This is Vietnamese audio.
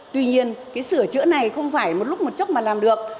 tuy nhiên cái sửa chữa này không phải một lúc một chốt mà làm được